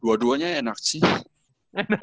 dua duanya enak sih